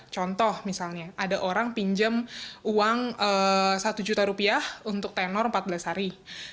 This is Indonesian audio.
contoh misalnya ada orang pinjam uang satu juta rupiah untuk tenor empat belas hari